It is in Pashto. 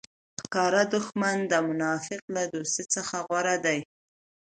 ښکاره دوښمن د منافق له دوستۍ څخه غوره دئ!